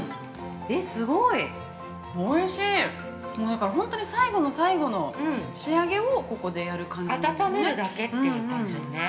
だから本当に最後の最後の仕上げをここでやる感じ。◆温めるだけっていう感じよね。